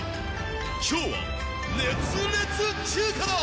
今日は熱烈中華だ。